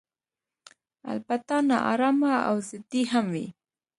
البته نا ارامه او ضدي هم وي.